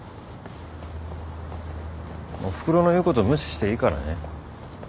おふくろの言うこと無視していいからね。